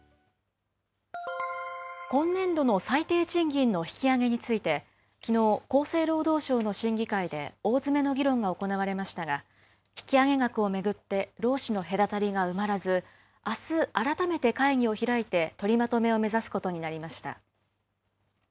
今年度の最低賃金の引き上げについて、きのう、厚生労働省の審議会で大詰めの議論が行われましたが、引き上げ額を巡って、労使の隔たりが埋まらず、あす改めて会議を開いて取りまとめを目指すことになりました。